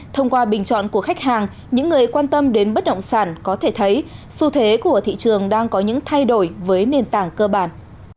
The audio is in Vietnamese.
thông qua bình chọn của khách hàng những người quan tâm đến bất động sản có thể thấy xu thế của thị trường đang có những thay đổi với nền tảng cơ bản